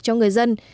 cho người dân